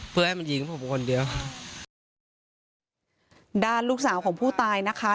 เพื่อยังไงยิงผมคนเดียวดาลลูกสาวของผู้ไต่นะคะ